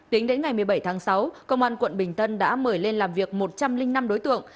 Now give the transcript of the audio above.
tính đến ngày một mươi bảy tháng sáu công an quận bình tân đã mời lên làm việc một trăm linh năm đối tượng